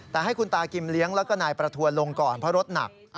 แต่ให้คุณตากิมเลี้ยงแล้วก็นายประทวนลงก่อนเพราะรถหนัก